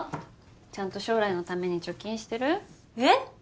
ちゃんと将来のために貯金してる？えっ？